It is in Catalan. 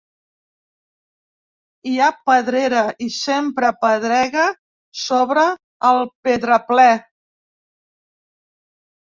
Hi ha pedrera, i sempre pedrega sobre el pedraplè.